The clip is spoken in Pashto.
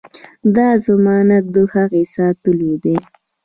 دا ضمانت د هغه ساتلو دی.